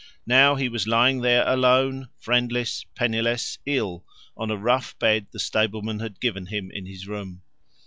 Now he was lying there alone, friendless, penniless, ill, on a rough bed the stableman had given him in his room.